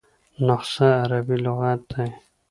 نسخه عربي لغت دﺉ.